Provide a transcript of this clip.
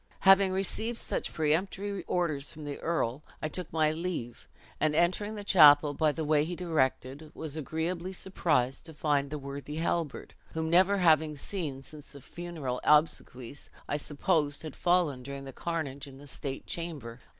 "Having received such peremptory orders from the earl, I took my leave; and entering the chapel by the way he directed, was agreeably surprised to find the worthy Halbert, whom, never having seen since the funeral obsequies, I supposed had fallen during the carnage in the state chamber.